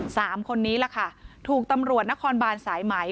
สามคนนี้แหละค่ะถูกตำรวจนครบานสายไหม